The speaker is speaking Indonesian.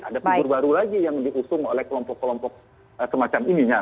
ada figur baru lagi yang diusung oleh kelompok kelompok semacam ininya